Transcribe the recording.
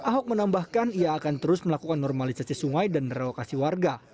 ahok menambahkan ia akan terus melakukan normalisasi sungai dan relokasi warga